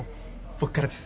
僕からです。